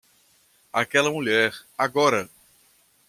Aquela mulher agora